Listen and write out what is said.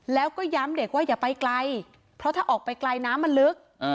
แล้วก็ย้ำเด็กว่าอย่าไปไกลเพราะถ้าออกไปไกลน้ำมันลึก